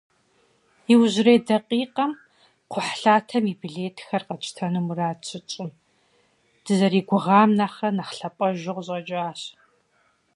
Иужьрей дакъикъэм кхъухьлъатэм и билетхэр къэтщэхуну мурад щытщӏым, дызэригугъам нэхърэ нэхъ лъапӏэжу къыщӀэкӀащ.